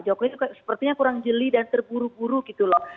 jawabannya sepertinya kurang jeli dan terburu buru gitu loh